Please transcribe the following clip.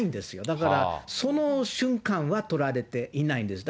だから、その瞬間は撮られていないんです。